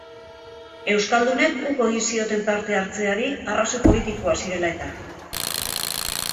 Euskaldunek uko egin zioten parte hartzeari arrazoi politikoak zirela eta.